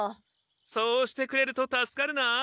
そうしてくれると助かるな。